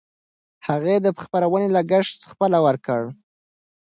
هغې د خپرونې لګښت پخپله ورکړ.